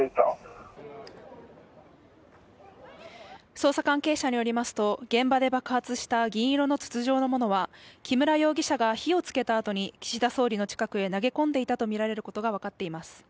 捜査関係者によりますと、現場で爆発した銀色の筒状のものは木村容疑者が火をつけたあとに岸田総理の近くに投げ込んでいたとみられることが分かっています。